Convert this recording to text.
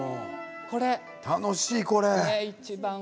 楽しい、これ。